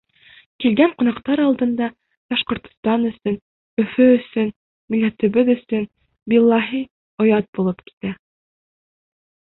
Килгән ҡунаҡтар алдында Башҡортостан өсөн, Өфө өсөн, милләтебеҙ өсөн, биллаһи, оят булып китә.